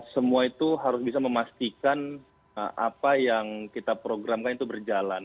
semua itu harus bisa memastikan apa yang kita programkan itu berjalan